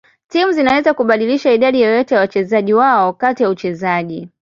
Timu zinaweza kubadilisha idadi yoyote ya wachezaji wao kati ya uchezaji.